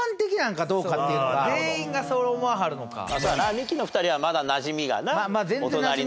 ミキの２人はまだなじみがなお隣の県だしな。